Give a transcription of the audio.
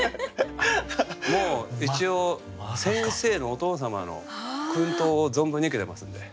もう一応先生のお父様の薫陶を存分に受けてますんで。